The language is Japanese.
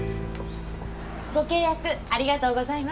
ご契約ありがとうございました。